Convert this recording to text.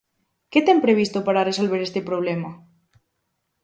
¿Que ten previsto para resolver este problema?